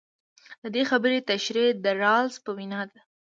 د دې خبرې تشرېح د رالز په وینا ده.